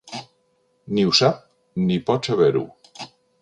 Ni ho sap ni pot saber-ho.